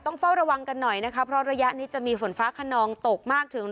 ต้องเฝ้าระวังกันหน่อยนะคะเพราะระยะนี้จะมีฝนฟ้าขนองตกมากถึง